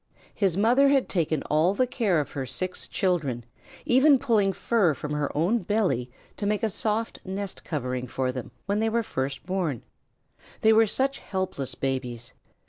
His mother had taken all the care of her six children, even pulling fur from her own belly to make a soft nest covering for them when they were first born. They were such helpless babies.